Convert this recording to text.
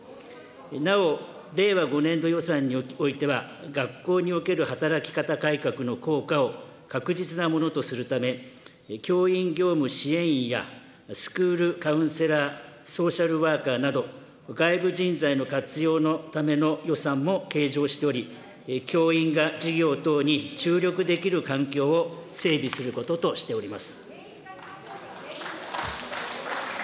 なお令和５年度予算においては、学校における働き方改革の効果を確実なものとするため、教員業務支援員やスクールカウンセラー、ソーシャルワーカーなど、外部人材の活用のための予算も計上しており、教員が授業等に注力できる環境を整備することとしております。